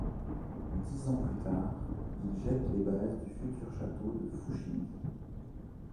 Dix ans plus tard, il jette les bases du futur château de Fushimi.